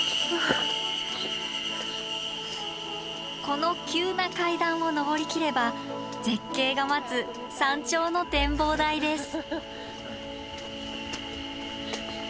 この急な階段を登りきれば絶景が待つ山頂の展望台です。